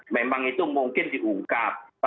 memang itu mungkin diungkapkan